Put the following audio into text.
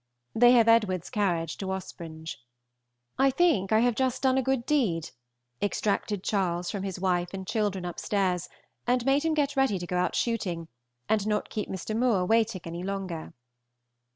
They have Edward's carriage to Ospringe. I think I have just done a good deed, extracted Charles from his wife and children upstairs, and made him get ready to go out shooting, and not keep Mr. Moore waiting any longer.